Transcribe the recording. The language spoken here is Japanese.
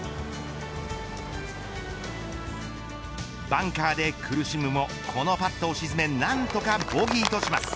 バンカーで苦しむもこのパットを沈め何とかボギーとします。